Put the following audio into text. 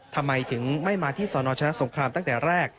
ทำไมถึงไม่มาที่สนชนะสงครามตั้งแต่แรก